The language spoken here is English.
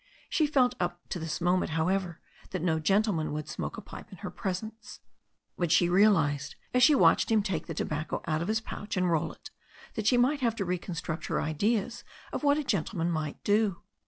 She had felt up to this moment, however, that no gentleman would smoke a pipe in her presence, but she realized, as she watched him take the to THE STORY OP A NEW ZEALAND RIVER 153 bacco out of his pouch and roll it, that she might have to reconstruct her ideas of what a gentleman might do.